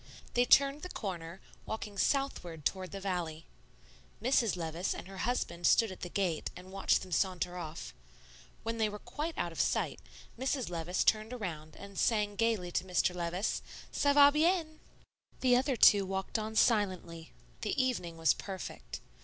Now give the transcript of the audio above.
They turned the corner, walking southward toward the valley. Mrs. Levice and her husband stood at the gate and watched them saunter off. When they were quite out of sight, Mrs. Levice turned around and sang gayly to Mr. Levice, "'Ca va bien!'" The other two walked on silently. The evening was perfect.